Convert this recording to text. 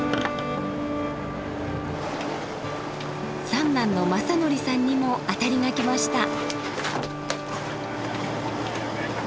三男の麻左範さんにもあたりがきました。